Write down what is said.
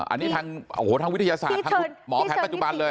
อันนี้ทางวิทยาศาสตร์หมอแพทย์ปัจจุบันเลย